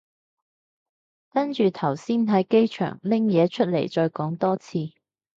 跟住頭先喺機場拎嘢出嚟再講多次